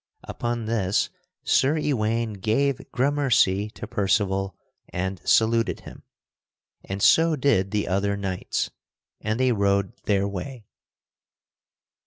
Upon this Sir Ewaine gave gramercy to Percival and saluted him, and so did the other knights, and they rode their way.